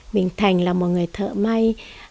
mình thành là một người thợ may